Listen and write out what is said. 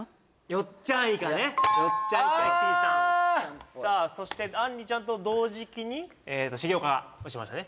よっちゃんイカねよっちゃんイカイキスギさんさあそしてあんりちゃんと同時期に重岡が押しましたね